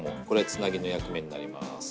これはつなぎの役目になります。